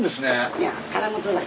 いや。